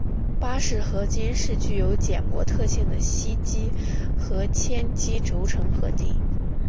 巴氏合金是具有减摩特性的锡基和铅基轴承合金。